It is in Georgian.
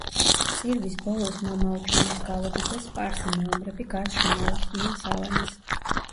წირვის ბოლოს „მამაო ჩვენოს“ გალობისას სპარსი მეომრები გარს შემოერტყნენ სავანეს.